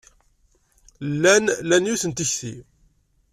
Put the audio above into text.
Llan lan yiwet n tekti.